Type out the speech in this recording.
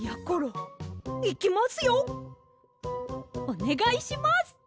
おねがいします！